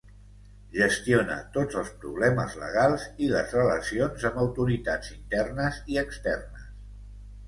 Gestiona tots els problemes legals i les relacions amb autoritats internes i externes.